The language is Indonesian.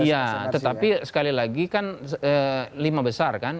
iya tetapi sekali lagi kan lima besar kan